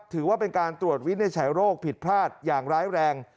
ถือว่าเป็นการตรวจวินิจฉัยโรคผิดพลาดอย่างร้ายแรง